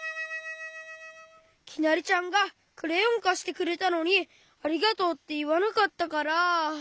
きなりちゃんがクレヨンかしてくれたのに「ありがとう」っていわなかったから。